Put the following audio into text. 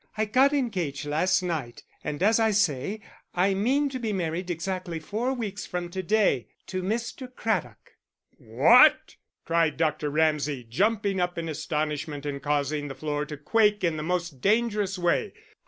"I got engaged last night, and as I say, I mean to be married exactly four weeks from to day to Mr. Craddock." "What!" cried Dr. Ramsay, jumping up in astonishment and causing the floor to quake in the most dangerous way.